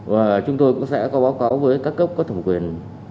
và chúng tôi cũng sẽ có báo cáo với các cấp có thẩm quyền